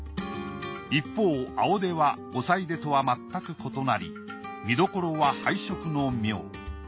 一方青手は五彩手とはまったく異なり見どころは配色の妙。